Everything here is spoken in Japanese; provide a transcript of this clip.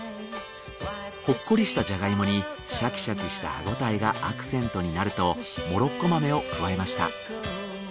ほっこりしたジャガイモにシャキシャキした歯応えがアクセントになるとモロッコ豆を加えました。